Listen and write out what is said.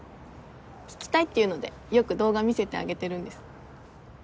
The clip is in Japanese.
聴きたいって言うのでよく動画見せてあげてるんです。